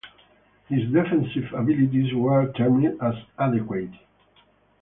His defensive abilities were termed as adequate.